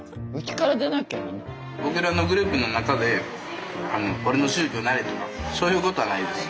僕らのグループの中で俺の宗教なれとかそういうことはないです